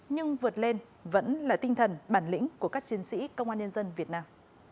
nhưng vượt lên vẫn là tinh thần bản lĩnh của các chiến sĩ công an nhân dân việt nam